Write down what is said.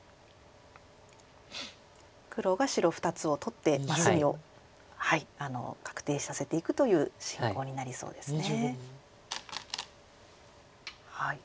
黒が白２つを取って隅を確定させていくという進行になりそうですね。